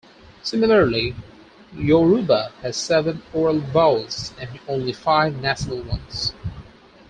Similarly, Yoruba has seven oral vowels and only five nasal ones.